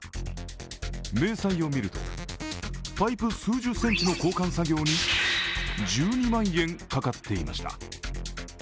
明細を見ると、パイプ数十センチの交換作業に１２万円かかっていました。